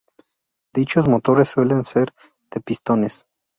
Dichos motores suelen ser de pistones.